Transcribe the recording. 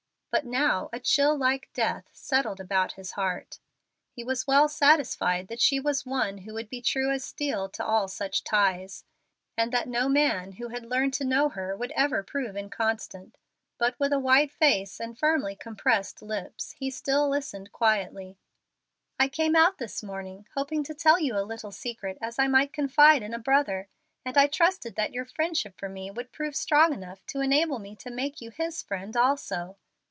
But now a chill like death settled about his heart. He was well satisfied that she was one who would be true as steel to all such ties, and that no man who had learned to know her would ever prove inconstant. But, with a white face and firmly compressed lips, he still listened quietly. "I came out this morning hoping to tell you a little secret as I might confide in a brother, and I trusted that your friendship for me would prove strong enough to enable me to make you his friend also.